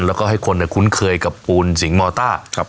แล้วก็ให้คนคุ้นเคยกับปูนสิงหมอต้า